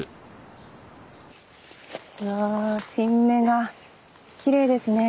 うわ新芽がきれいですね。